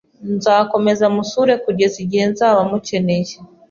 Nzakomeza musure kugeza igihe nzaba mukeneye